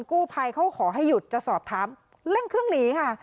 กู้ภัยเขาขอให้หยุดจะสอบถามเร่งเครื่องหนีค่ะ